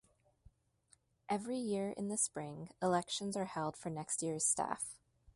Every year, in the spring, elections are held for next year's staff.